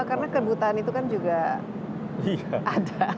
karena kebutuhan itu kan juga ada